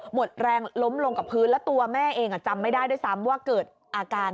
หมดแรงล้มลงกับพื้นแล้วตัวแม่เองจำไม่ได้ด้วยซ้ำว่าเกิดอาการ